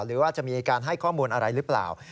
หรือว่าจะมีการให้ข้อมูลอะไรหรือเปล่า